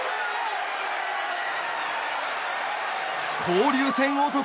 交流戦男